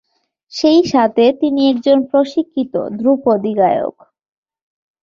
সেই সাথে তিনি একজন প্রশিক্ষিত ধ্রুপদী গায়ক।